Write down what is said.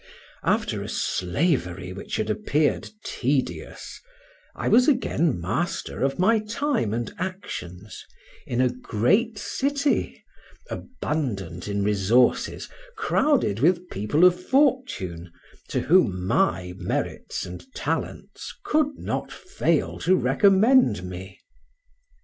After a slavery which had appeared tedious, I was again master of my time and actions, in a great city, abundant in resources, crowded with people of fortune, to whom my merit and talents could not fail to recommend me.